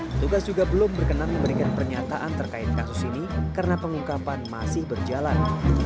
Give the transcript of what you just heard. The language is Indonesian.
petugas juga belum berkenan memberikan pernyataan terkait kasus ini karena pengungkapan masih berjalan